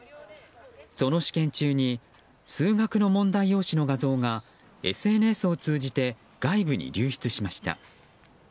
その試験中に数学の問題用紙の画像がＳＮＳを通じて外部に流出しました。